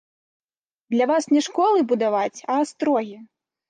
Для вас не школы будаваць, а астрогі!